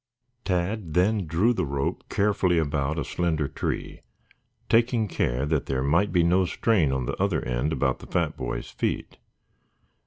Tad then drew the rope carefully about a slender tree, taking care that there might be no strain on the other end about the fat boy's feet.